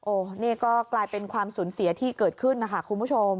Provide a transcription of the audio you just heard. โอ้โหนี่ก็กลายเป็นความสูญเสียที่เกิดขึ้นนะคะคุณผู้ชม